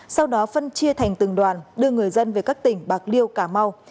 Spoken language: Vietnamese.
sau đó phân chia thành từng đoàn đưa người dân về các tỉnh bạc liêu cà mau